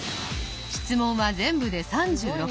質問は全部で３６。